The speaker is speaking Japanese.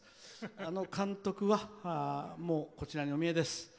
あの監督はもうこちらにお見えです。